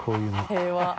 平和。